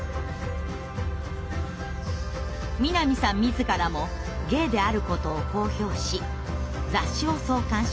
南さん自らもゲイであることを公表し雑誌を創刊しました。